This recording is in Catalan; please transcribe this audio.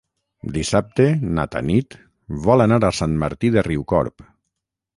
Dissabte na Tanit vol anar a Sant Martí de Riucorb.